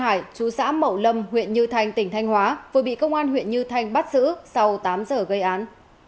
anh bắt giữ sau tám giờ gây án